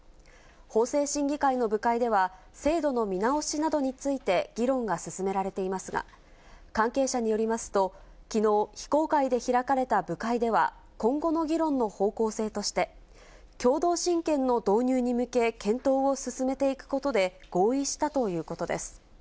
法制審議会の部会では、制度の見直しなどについて議論が進められていますが、関係者によりますと、きのう、非公開で開かれた部会では、今後の議論の方向性として、共同親権の導入に向け検討を進めていくことで合意したということです。